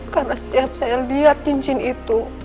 karena setiap saya lihat cincin itu